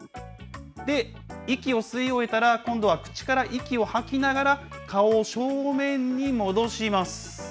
で、息を吸い終えたら、今度は口から息を吐きながら顔を正面に戻します。